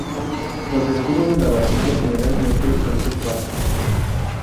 Los escudos de la barbilla generalmente en tres pares.